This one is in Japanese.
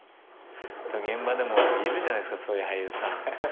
現場でもいるじゃないすかそういう俳優さん。